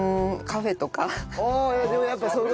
カフェとかはい。